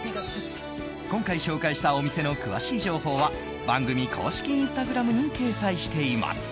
今回紹介したお店の詳しい情報は番組公式インスタグラムに掲載しています。